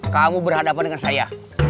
kamu berhadapan dengan saya